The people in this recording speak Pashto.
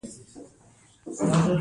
د بکوا دښتې ولې وچې دي؟